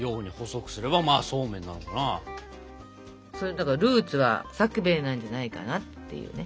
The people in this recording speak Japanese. だからルーツはさくべいなんじゃないかなっていうね。